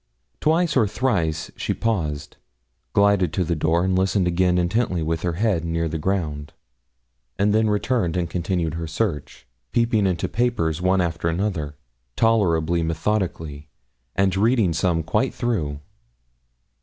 Twice or thrice she paused, glided to the door, and listened again intently with her head near the ground, and then returned and continued her search, peeping into papers one after another, tolerably methodically, and reading some quite through.